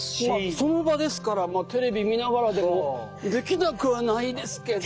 その場ですからテレビ見ながらでもできなくはないですけど。